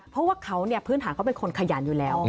เพราะว่าพื้นหาเขาเป็นคนขยันอยู่แล้ว